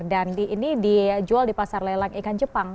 dan ini dijual di pasar lelang ikan jepang